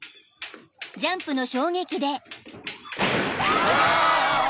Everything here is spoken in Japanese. ［ジャンプの衝撃で］